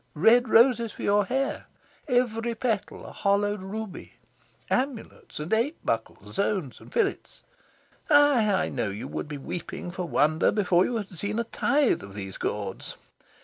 Red roses for your hair every petal a hollowed ruby. Amulets and ape buckles, zones and fillets. Aye! know that you would be weeping for wonder before you had seen a tithe of these gauds.